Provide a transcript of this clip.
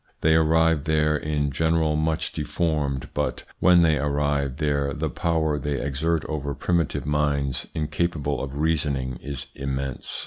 They arrive there in general much deformed, but when they arrive there the power they exert over primitive minds incapable of reasoning is immense.